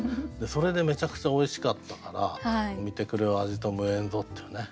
それでめちゃくちゃおいしかったから「見てくれは味と無縁ぞ」っていうね。